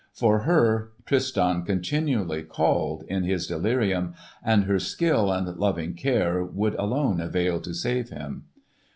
For her Tristan continually called, in his delirium, and her skill and loving care would alone avail to save him.